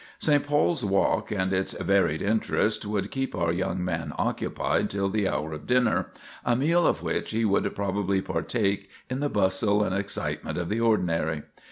St. Paul's Walk and its varied interests would keep our young man occupied till the hour of dinner, a meal of which he would probably partake in the bustle and excitement of the ordinary.